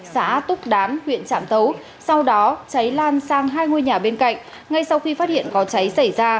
xã túc đán huyện trạm tấu sau đó cháy lan sang hai ngôi nhà bên cạnh ngay sau khi phát hiện có cháy xảy ra